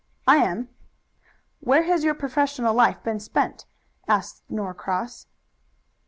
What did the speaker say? "I am." "Where has your professional life been spent?" asked Norcross.